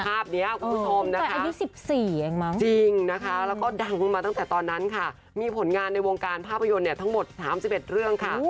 ภาพนี้คุณผู้ชมนะคะอายุ๑๔เองมั้งจริงนะคะแล้วก็ดังขึ้นมาตั้งแต่ตอนนั้นค่ะมีผลงานในวงการภาพยนตร์เนี่ยทั้งหมด๓๑เรื่องค่ะ